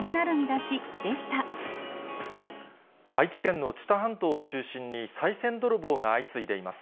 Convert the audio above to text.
愛知県の知多半島を中心にさい銭泥棒が相次いでいます。